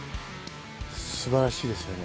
すばらしいですよね。